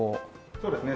そうですね。